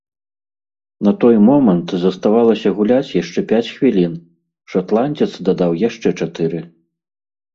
На той момант заставалася гуляць яшчэ пяць хвілін, шатландзец дадаў яшчэ чатыры.